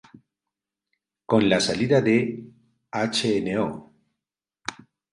Con la salida de Hno.